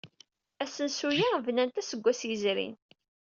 Asensu-a bnan-t aseggas yezrin.